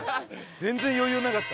全然余裕なかった。